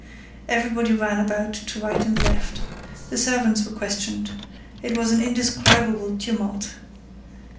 Everybody ran about to right and left. The servants were questioned. It was an indescribable tumult.